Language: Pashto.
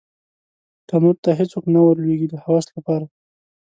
تنور ته هېڅوک نه ور لویږې د هوس لپاره